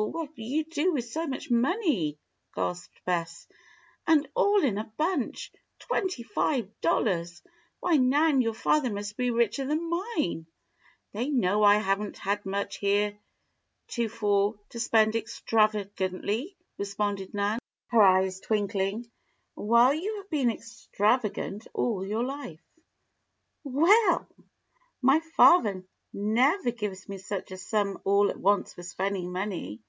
what'll you do with so much money?" gasped Bess. "And all in a bunch. Twenty five dollars! Why, Nan, your father must be richer than mine!" "They know I haven't had much heretofore to spend extravagantly," responded Nan, her eyes twinkling, "while you have been extravagant all your life." "Well! My father never gives me such a sum all at once for spending money.